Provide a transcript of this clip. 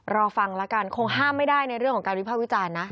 รอฟังแล้วกันคงห้ามไม่ได้ในเรื่องของการวิภาควิจารณ์นะ